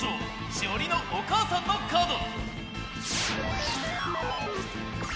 しおりのお母さんのカード！